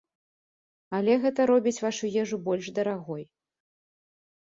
Але гэта робіць вашу ежу больш дарагой.